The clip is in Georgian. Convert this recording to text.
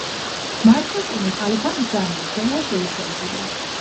მართლმორწმუნე ხალიფამ ბრძანა ბრძოლა შეეჩერებინათ.